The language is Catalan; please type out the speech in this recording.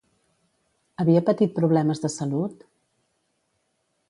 Havia patit problemes de salut?